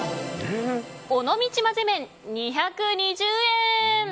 尾道まぜ麺、２２０円。